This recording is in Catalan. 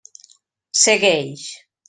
Segueix.